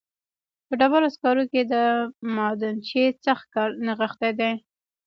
په ډبرو سکرو کې د معدنچي سخت کار نغښتی دی